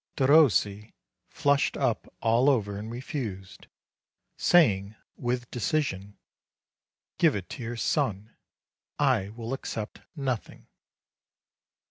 Derossi flushed up all over, and refused, saying with decision: "Give it to your son; I will accept nothing."